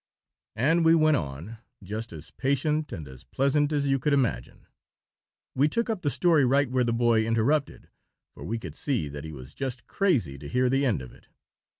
And we went on, just as patient and as pleasant as you could imagine. We took up the story right where the boy interrupted; for we could see that he was just crazy to hear the end of it.